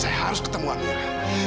saya harus ketemu amira